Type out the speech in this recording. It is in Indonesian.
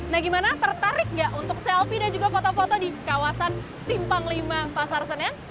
nah gimana tertarik gak untuk selfie dan juga foto foto di kawasan simpang lima pasar senen